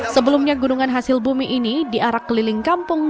sebelumnya gunungan hasil bumi ini diarak keliling kampung